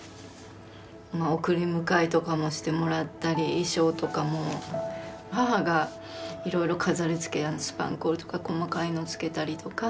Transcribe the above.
送り迎えとかもしてもらったり衣装とかも母がいろいろ飾りつけスパンコールとか細かいのつけたりとか。